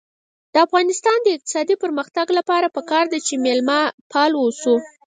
د افغانستان د اقتصادي پرمختګ لپاره پکار ده چې مېلمه پال اوسو.